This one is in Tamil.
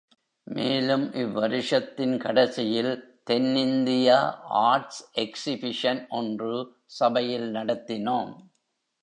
மேலும் இவ்வருஷத்தின் கடைசியில் தென் இந்தியா ஆர்ட்ஸ் எக்சிபிஷன் ஒன்று சபையில் நடத்தினோம்.